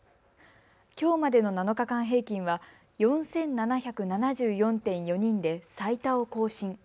きょうまでの７日間平均は４７７４．４人で最多を更新。